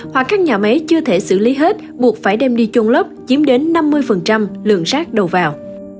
hoặc các nhà máy chưa thể xử lý hết buộc phải đem đi chuôn lấp chiếm đến năm mươi lượng rác đầu vào